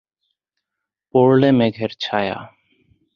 পরলে মেঘের ছায়া।